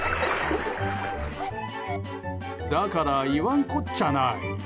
だから、言わんこっちゃない！